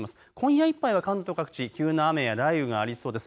今夜いっぱいは関東各地、急な雨や雷雨がありそうです。